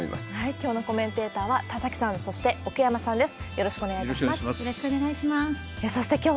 きょうのコメンテーターは田崎さん、そして奥山さんです。